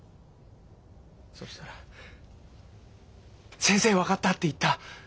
そしたら先生「分かった」って言った。